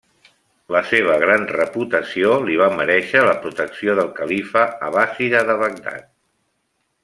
La seva gran reputació li va merèixer la protecció del califa abbàssida de Bagdad.